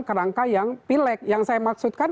kerangka yang pilek yang saya maksudkan